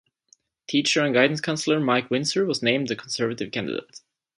Teacher and guidance counsellor Mike Windsor was named the Conservative candidate.